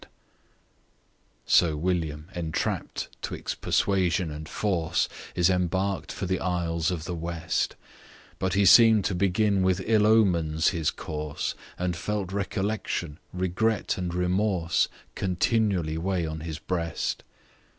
Page 68 So William entrapp'd 'twixt persuasion and force, Is embark'd for the isles of the West, But he seem'd to begin with ill omens his course, And felt recollection, regret, and remorse Continually weigh on his breast.